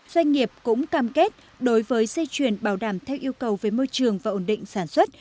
doanh nghiệp cũng cam kết đối với dây chuyền bảo đảm theo yêu cầu về môi trường và ổn định sản xuất